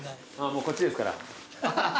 こっちですから。